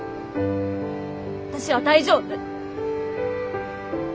私は大丈夫。